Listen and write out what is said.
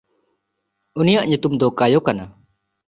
ᱩᱱᱤᱭᱟᱜ ᱧᱩᱛᱩᱢ ᱫᱚ ᱠᱟᱭᱚ ᱠᱟᱱᱟ᱾